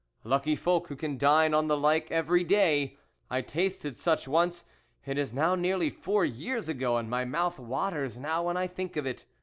Lucky folk who can dine on the like every day. I tasted such once, it is now nearly four years ago, and my mouth waters now when I think of it.